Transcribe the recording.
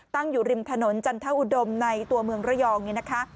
ตั้งอยู่ริมถนนจันทอุดมในตัวเมืองระยองนี่นะคะ